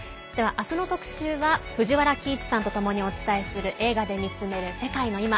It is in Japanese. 明日の特集は藤原帰一さんとお伝えする「映画で見つめる世界のいま」。